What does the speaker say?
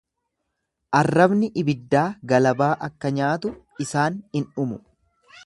Arrabni ibiddaa galabaa akka nyaatu isaan in dhumu.